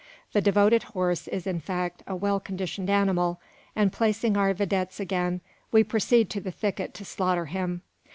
The devoted horse is in fact a well conditioned animal; and placing our videttes again, we proceed to the thicket to slaughter him.